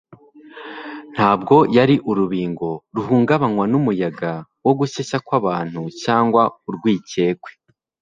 Ntabwo yari urubingo ruhungabanywa n'umuyaga wo gushyeshya kw’abantu cyangwa urwikekwe.